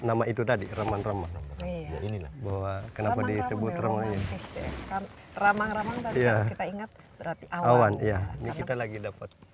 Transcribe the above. nama itu tadi ramang ramang bahwa kenapa disebut ramang ramang kita ingat awan ya kita lagi dapat